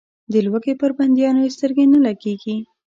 د لوږې پر بندیانو یې سترګې نه لګېږي.